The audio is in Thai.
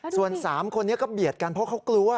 ส่วน๓คนนี้ก็เบียดกันเพราะเขากลัว